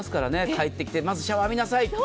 帰ってきてまずシャワーを浴びなさい。